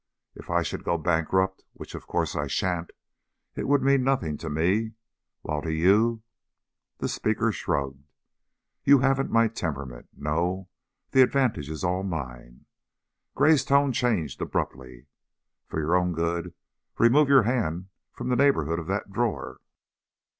If I should go bankrupt, which of course I sha'n't, it would mean nothing to me, while to you " The speaker shrugged. "You haven't my temperament. No, the advantage is all mine." Gray's tone changed abruptly. "For your own good remove your hand from the neighborhood of that drawer.